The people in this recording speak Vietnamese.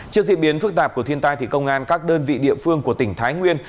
trước diễn biến phức tạp của thiên tai thì công an các đơn vị địa phương của tỉnh thái nguyên